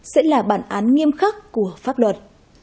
sẽ là bản án nghiêm khắc của pháp luật